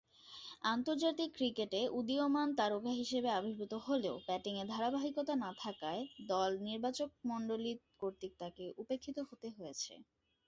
আন্তর্জাতিক ক্রিকেটে উদীয়মান তারকা হিসেবে আবির্ভূত হলেও ব্যাটিংয়ে ধারাবাহিকতা না থাকায় দল নির্বাচকমণ্ডলী কর্তৃক তাকে উপেক্ষিত হতে হয়েছে।